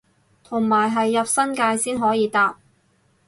同埋係入新界先可以搭